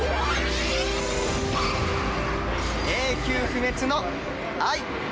永久不滅の愛！